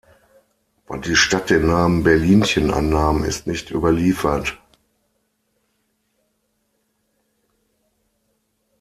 Wann die Stadt den Namen Berlinchen annahm, ist nicht überliefert.